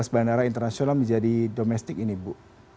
dua belas bandara internasional menjadi domestik ini bu